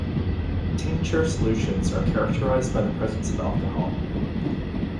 Tincture solutions are characterized by the presence of alcohol.